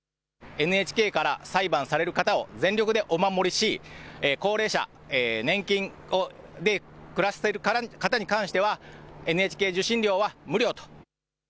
ＮＨＫから裁判される方を全力でお守りし、高齢者、年金で暮らしてる方に関しては、ＮＨＫ受信料は無料と。